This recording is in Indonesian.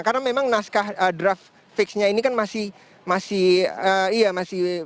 karena memang naskah draft fixnya ini kan masih masih iya masih